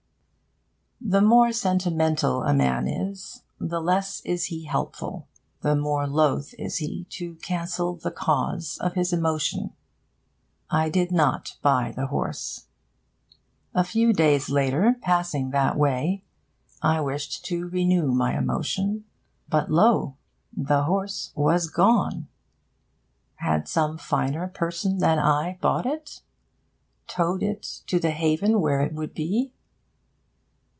The more sentimental a man is, the less is he helpful; the more loth is he to cancel the cause of his emotion. I did not buy the horse. A few days later, passing that way, I wished to renew my emotion; but lo! the horse was gone. Had some finer person than I bought it? towed it to the haven where it would be?